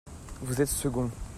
vous êtes second.